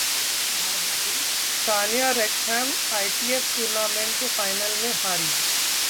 Sania Wrexham ITF tournament के final में हारी